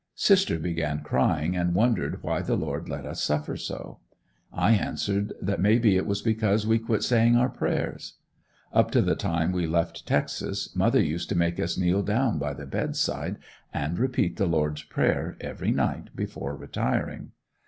Sister began crying and wondered why the Lord let us suffer so? I answered that may be it was because we quit saying our prayers. Up to the time we left Texas mother used to make us kneel down by the bed side and repeat the Lord's prayer every night before retiring.